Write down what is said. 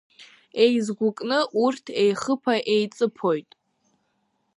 Еизгәыкны урҭ еихыԥа-еиҵыԥоит…